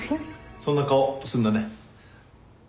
そんな顔すんだね。